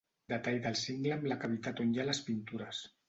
Detall del cingle amb la cavitat on hi ha les pintures.